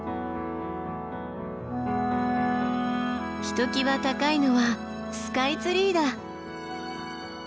ひときわ高いのはスカイツリーだ。